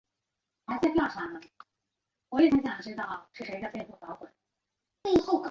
不再独自徬惶